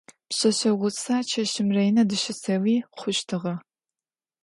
Пшъэшъэ гъусэр чэщым ренэ дыщысэуи хъущтыгъэ.